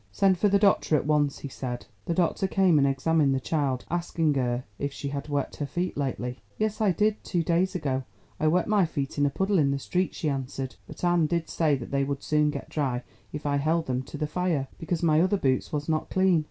"Send for the doctor at once," he said. The doctor came and examined the child, asking her if she had wet her feet lately. "Yes, I did, two days ago. I wet my feet in a puddle in the street," she answered. "But Anne did say that they would soon get dry, if I held them to the fire, because my other boots was not clean.